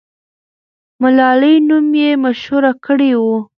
ملالۍ نوم یې مشهور کړی وو.